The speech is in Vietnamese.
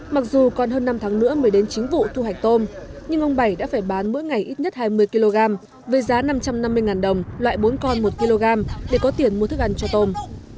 mặc dù còn hơn năm tháng nữa mới đến chính vụ thu hạch tôm nhưng ông bảy đã phải bán mỗi ngày ít nhất hai mươi kg với giá năm trăm năm mươi đồng loại bốn con một kg để có tiền mua thức ăn cho tôm